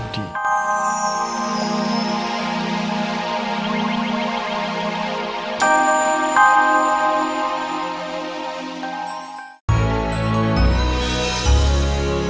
dan jessica panggil randy